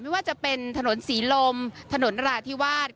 ไม่ว่าจะเป็นถนนศรีลมถนนราธิวาส